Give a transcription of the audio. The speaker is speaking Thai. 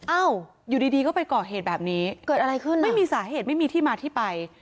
อ้าวอยู่ดีก็ไปก่อเหตุแบบนี้เกิดอะไรขึ้นไม่มีสาเหตุไม่มีที่มาที่ไป